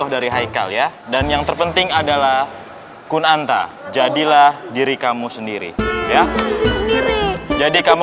dari haikal ya dan yang terpenting adalah kunanta jadilah diri kamu sendiri ya jadi kamu